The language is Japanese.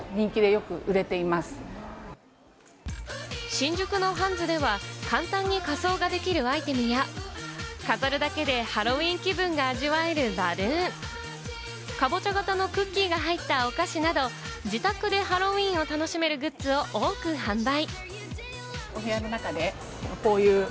新宿のハンズでは簡単に仮装ができるアイテムや、飾るだけでハロウィーン気分が味わえるバルーン、カボチャ型のクッキーが入ったお菓子など、自宅でハロウィーンを楽しめるグッズを多く販売。